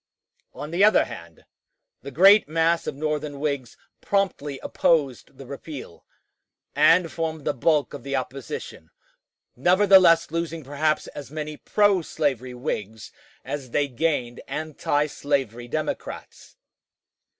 On the other hand, the great mass of Northern Whigs promptly opposed the repeal, and formed the bulk of the opposition, nevertheless losing perhaps as many pro slavery Whigs as they gained antislavery Democrats.